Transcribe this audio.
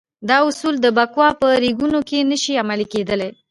دا اصول د بکواه په ریګونو کې نه شي عملي کېدلای.